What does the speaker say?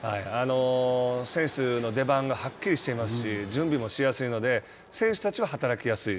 選手の出番がはっきりしていますし、準備もしやすいので選手たちは働きやすい。